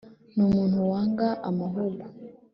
ni umuntu wanga amahugu,